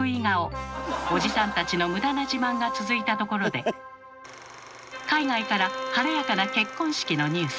おじさんたちの無駄な自慢が続いたところで海外から晴れやかな結婚式のニュース。